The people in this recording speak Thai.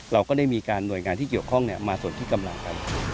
เราก็ได้มีการหน่วยงานที่เกี่ยวข้องมาส่วนที่กำลังกัน